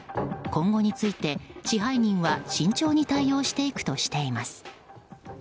今後について、支配人は慎重に対応していくとしています。